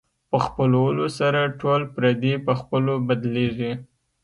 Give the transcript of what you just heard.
په خپلولو سره ټول پردي په خپلو بدلېږي.